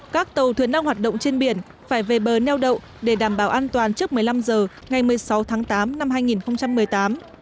các tàu thuyền đang hoạt động trên biển phải về bờ neo đậu để đảm bảo an toàn trước một mươi năm h ngày một mươi sáu tháng tám năm hai nghìn một mươi tám